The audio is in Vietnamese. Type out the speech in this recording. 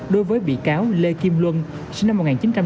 đối với bị cáo lê kim luân sinh năm một nghìn chín trăm chín mươi bốn